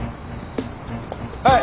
はい。